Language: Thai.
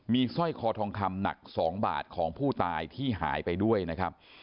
มีสร้อยคอทองคำหนัก๒บาทของผู้ตายที่หายไปด้วยนะครับ